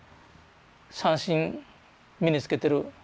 三線身につけてる。